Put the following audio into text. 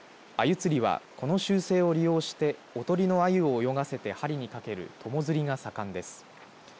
釣りはこの習性を利用しておとりのあゆを泳がせて針にかける友釣りが盛んです。